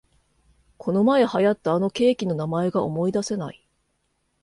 このまえ流行ったあのケーキの名前が思いだせない